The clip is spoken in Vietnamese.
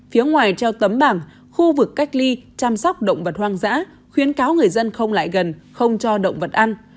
phía ngoài treo tấm bảng khu vực cách ly chăm sóc động vật hoang dã khuyến cáo người dân không lại gần không cho động vật ăn